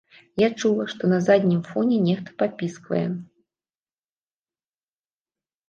Я чула, што на заднім фоне нехта папісквае.